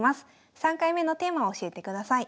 ３回目のテーマを教えてください。